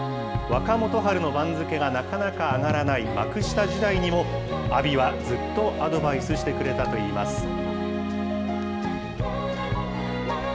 若元春の番付がなかなか上がらない幕下時代にも、阿炎はずっとアドバイスしてくれたといいます。